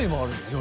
夜。